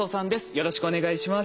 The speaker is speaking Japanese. よろしくお願いします。